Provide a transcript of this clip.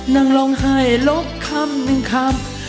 นั่งร้องไห้ลบคำหนึ่งคำ